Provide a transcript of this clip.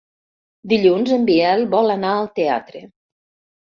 Dilluns en Biel vol anar al teatre.